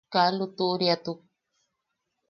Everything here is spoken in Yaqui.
Kaa lutuʼuriatuk.